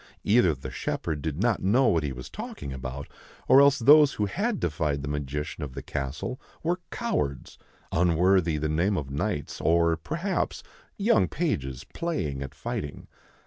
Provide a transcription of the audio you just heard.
Either the shepherd did not know what he was talking about or else those who had defied the magician of the castle were cowards, unworthy the name of knights, or, perhaps, young pages playing at fighting.